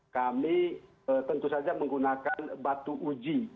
kami tentu saja menggunakan batu uji